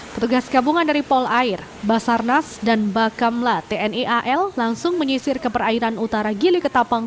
petugas gabungan dari polair basarnas dan bakamla tni al langsung menyisir ke perairan utara gili ketapang